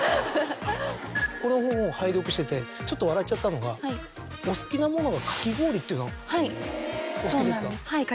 この本を拝読しててちょっと笑っちゃったのがお好きなものがかき氷ってお好きですか？